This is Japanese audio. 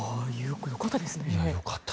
よかったですね。